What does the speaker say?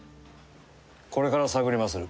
これから探りまする。